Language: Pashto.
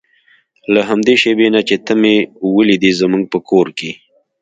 له همدې شېبې نه چې ته مې ولیدې زموږ په کور کې.